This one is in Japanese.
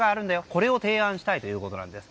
これを提案したいということなんです。